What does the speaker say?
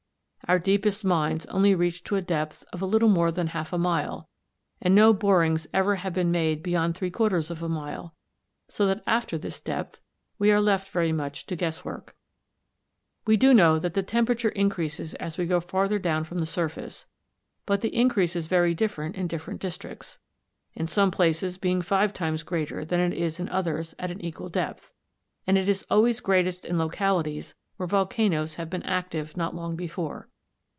Our deepest mines only reach to a depth of a little more than half a mile, and no borings even have been made beyond three quarters of a mile, so that after this depth we are left very much to guesswork. We do know that the temperature increases as we go farther down from the surface, but the increase is very different in different districts in some places being five times greater than it is in others at an equal depth, and it is always greatest in localities where volcanoes have been active not long before.